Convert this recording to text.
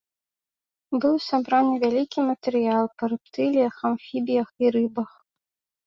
Быў сабраны вялікі матэрыял па рэптыліях, амфібіях і рыбах.